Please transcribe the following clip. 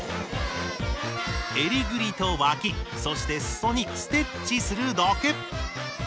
えりぐりと脇そしてすそにステッチするだけ。